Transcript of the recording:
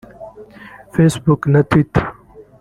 Facebook naTwitter